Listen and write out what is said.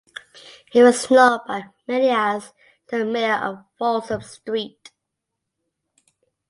He was known by many as "the Mayor of Folsom Street".